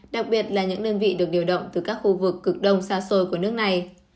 đặc biệt là những đơn vị được điều động từ các khu vực cực đông xa xôi của nước này